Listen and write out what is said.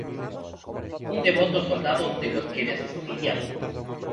un devoto soldado de los que le asistían;